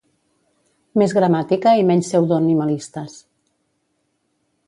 Més gramàtica i menys pseudoanimalistes